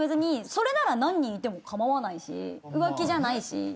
それなら何人いても構わないし浮気じゃないし。